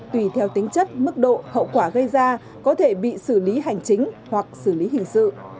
tùy theo tính chất mức độ hậu quả gây ra có thể bị xử lý hành chính hoặc xử lý hình sự